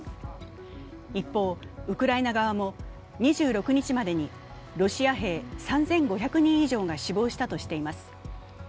一方、ウクライナ側も２６日までにロシア兵３５００人以上が死亡したとしています。